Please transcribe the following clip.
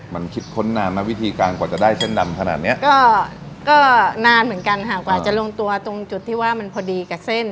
มันคิดค้นนานไหมวิธีการกว่าจะได้เส้นดำขนาดเนี้ยก็ก็นานเหมือนกันค่ะกว่าจะลงตัวตรงจุดที่ว่ามันพอดีกับเส้น